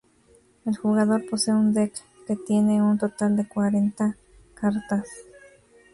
El jugador posee un Deck que tiene un total de cuarenta cartas.